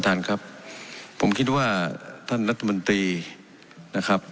ท่านประธานครับ